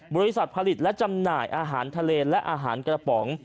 บริษัทผลิตและจำหน่ายอาหารทะเลและอาหารกระป๋อง